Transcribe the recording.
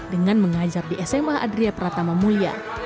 dengan mengajar di sma adria pratama mulia